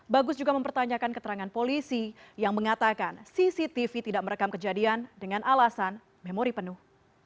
bagus juga mempertanyakan keterangan polisi yang mengatakan cctv tidak merekam kejadian dengan alasan memori penuh